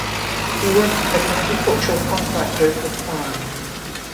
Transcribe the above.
He worked as an agricultural contractor for the farm.